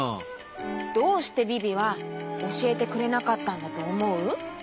どうしてビビはおしえてくれなかったんだとおもう？